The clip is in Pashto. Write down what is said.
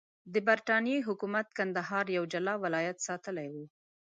د برټانیې حکومت کندهار یو جلا ولایت ساتلی وو.